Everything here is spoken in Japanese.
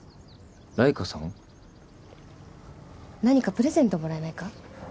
何かプレゼントもらえないか？